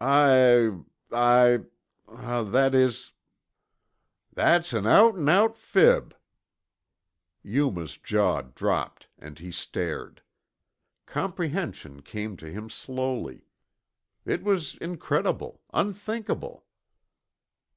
"I I er uh ... that is...." "That's an out 'n' out fib!" Yuma's jaw dropped and he stared. Comprehension came to him slowly. It was incredible, unthinkable!